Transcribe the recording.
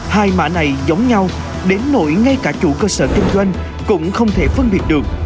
hai mã này giống nhau đến nổi ngay cả chủ cơ sở kinh doanh cũng không thể phân biệt được